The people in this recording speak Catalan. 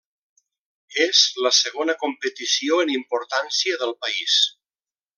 És la segona competició en importància del país.